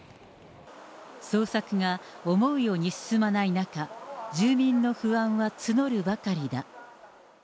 捜索が思うように進まない中、住民の不安は募るばかりだ。